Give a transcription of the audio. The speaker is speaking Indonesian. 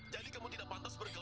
yang kamu harapkan dari dia